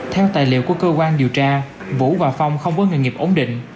theo tài liệu của cơ quan điều tra vũ và phong không có nghề nghiệp ổn định